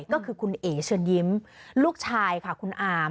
ก็คือคุณเอ๋เชิญยิ้มลูกชายค่ะคุณอาม